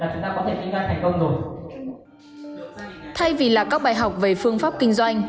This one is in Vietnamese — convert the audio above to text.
thì đầu tiên để kỹ thuật thành công thì các bạn nhớ cho mình có hai mục đố này